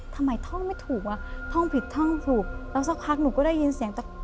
ท่องไม่ถูกว่ะท่องผิดท่องถูกแล้วสักพักหนูก็ได้ยินเสียงแต่